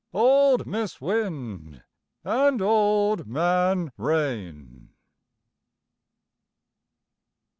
Old Mis' Wind and Old Man Rain.